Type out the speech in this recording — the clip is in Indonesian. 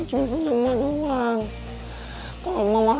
tadi kan ma bilang sama yan